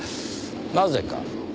なぜか？